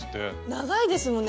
長いですもんね